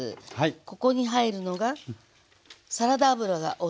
ここに入るのがサラダ油が大さじ１杯。